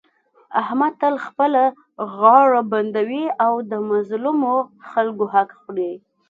احمد تل خپله غاړه بندوي او د مظلومو خلکو حق خوري.